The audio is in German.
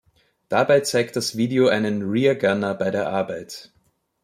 Dabei zeigt das Video einen "Rear Gunner" bei der Arbeit.